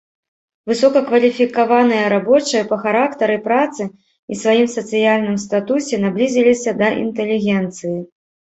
Высокакваліфікаваныя рабочыя па характары працы і сваім сацыяльным статусе наблізіліся да інтэлігенцыі.